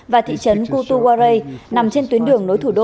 và thị trấn kutuwarai nằm trên tuyến đường nối thủ đô